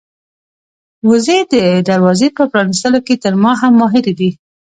وزې د دروازې په پرانيستلو کې تر ما هم ماهرې دي.